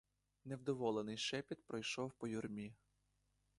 Невдоволений шепіт пройшов по юрмі.